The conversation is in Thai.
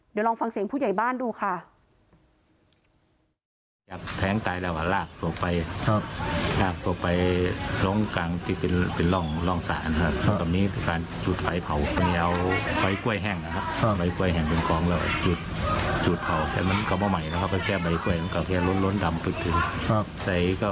เดี๋ยวลองฟังเสียงผู้ใหญ่บ้านดูค่ะ